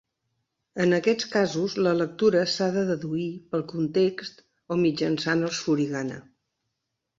En aquests casos, la lectura s'ha de deduir pel context o mitjançant els furigana.